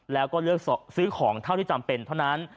แล้วก็เลือกซื้อของเท่าที่จำเป็นเท่านั้น